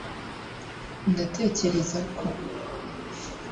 ndatekereza ko